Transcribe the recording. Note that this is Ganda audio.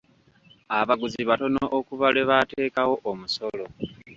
Abaguzi batono okuva lwe baateekawo omusolo.